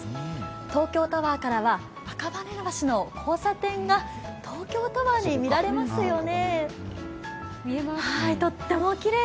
東京タワーからは赤羽橋の交差点が東京タワーに見えますよね。